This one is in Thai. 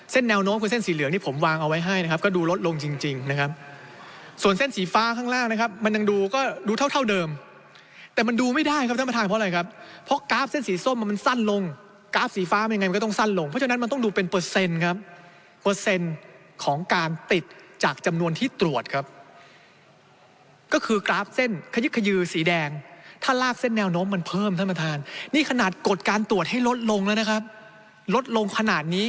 เส้นแนวโน้มคือเส้นสีเหลืองนี่ผมวางเอาไว้ให้นะครับก็ดูลดลงจริงนะครับส่วนเส้นสีฟ้าข้างล่างนะครับมันยังดูก็ดูเท่าเดิมแต่มันดูไม่ได้ครับท่านประธานเพราะอะไรครับเพราะกราฟเส้นสีส้มมันมันสั้นลงกราฟสีฟ้ามันยังไงมันก็ต้องสั้นลงเพราะฉะนั้นมันต้องดูเป็นเปอร์เซ็น